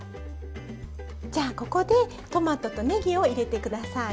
じゃあここでトマトとねぎを入れて下さい。